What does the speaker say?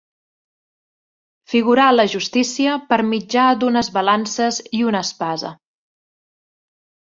Figurar la justícia per mitjà d'unes balances i una espasa.